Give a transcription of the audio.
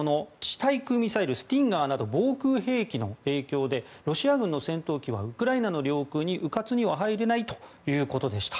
対空ミサイルスティンガーなど防空兵器の提供でロシア軍の戦闘機はウクライナの領空に、うかつには入れないということでした。